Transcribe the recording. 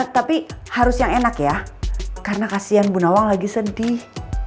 tapi harus yang enak ya karena kasian bu nawang lagi sedih